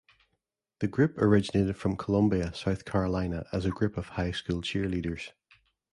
The group originated from Columbia, South Carolina as a group of high school cheerleaders.